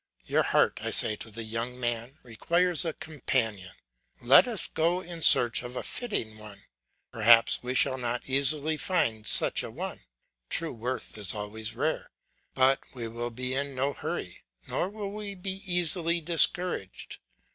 Your heart, I say to the young man, requires a companion; let us go in search of a fitting one; perhaps we shall not easily find such a one, true worth is always rare, but we will be in no hurry, nor will we be easily discouraged.